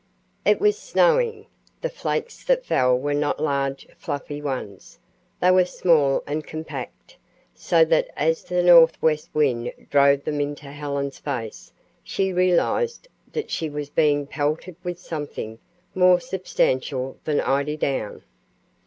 It was snowing. The flakes that fell were not large fluffy ones; they were small and compact, so that as the northwest wind drove them into Helen's face, she realized that she was being pelted with something more substantial than eiderdown.